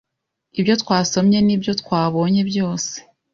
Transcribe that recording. ibyo twasomye n’ibyo twabonye byose